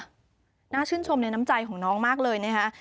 น่าชื่นชมในน้ำใจของน้องมากเลยนะคะ